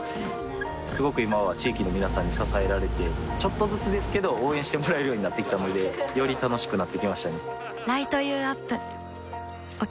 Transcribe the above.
すごく今は地域の皆さんに支えられてちょっとずつですけど応援してもらえるようになってきたのでより楽しくなってきましたね